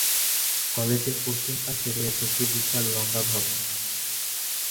কলেজের পশ্চিম পাশে রয়েছে একটি বিশাল লম্বা ভবন।